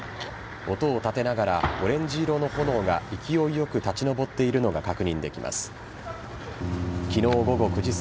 音を立てながらオレンジ色の炎が勢いよく立ち上っているのが確認できます。